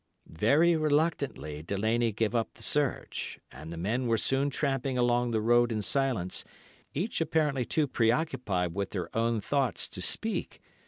"Very reluctantly Delaney gave up the search, and the men were soon tramping along the road in silence—each apparently too pre occupied with their own thoughts to speak.